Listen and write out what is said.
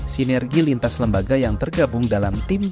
sinergi lintas lembaga yang tergabung dalam tim